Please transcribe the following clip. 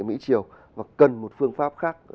mỹ triều và cần một phương pháp khác